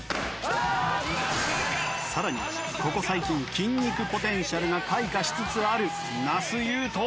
さらにここ最近筋肉ポテンシャルが開花しつつある那須雄登